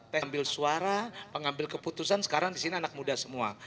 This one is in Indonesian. pengambil suara pengambil keputusan sekarang di sini anak muda semua